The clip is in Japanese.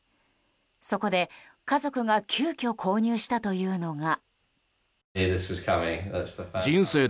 そこで、家族が急きょ購入したというのが。